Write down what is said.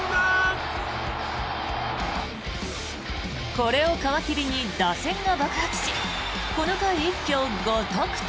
これを皮切りに打線が爆発しこの回一挙５得点。